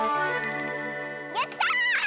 やった！